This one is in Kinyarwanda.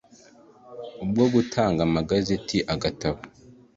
bwo gutanga amagazeti agatabo